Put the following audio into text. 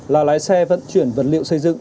là lái xe vận chuyển vật liệu xây dựng